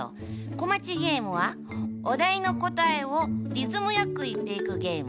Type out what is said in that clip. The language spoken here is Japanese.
こまちゲームはおだいのこたえをリズムよくいっていくゲーム。